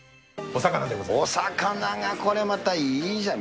お魚がこれまたいいじゃ。